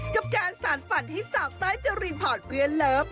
กับการสารฝันที่สาวต้อยจะรีนพอร์ตเพื่อเลิฟ